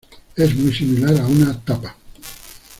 Es muy similar a una "tapa".